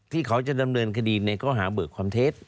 ที่เขาจะดำเนินคดีในข้อหาเบิกความเท็จ